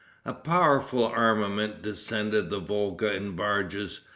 A powerful armament descended the Volga in barges.